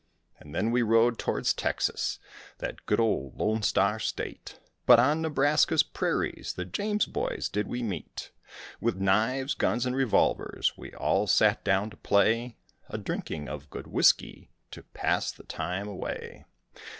And then we rode towards Texas, that good old Lone Star State, But on Nebraska's prairies the James boys we did meet; With knives, guns, and revolvers we all sat down to play, A drinking of good whiskey to pass the time away.